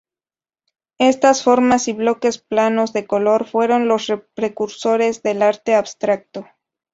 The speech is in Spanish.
Estas formas y bloques planos de color fueron los precursores del arte abstracto.